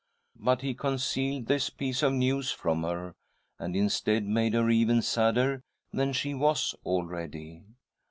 But he concealed this piece of news from her, and, instead, made her even sadder than she was already.